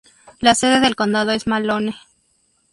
La sede del condado es Malone.